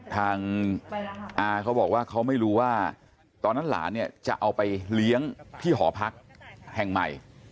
ทางอาเขาบอกว่าเขาไม่รู้ว่าตอนนั้นหลานเนี่ยจะเอาไปเลี้ยงที่หอพักแห่งใหม่